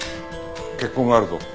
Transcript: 血痕があるぞ。